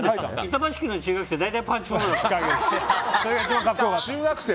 板橋区の中学生